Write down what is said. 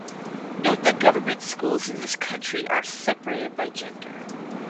Note that government schools in this country are separated by gender.